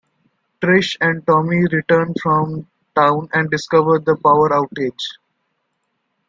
Trish and Tommy return from town and discover the power outage.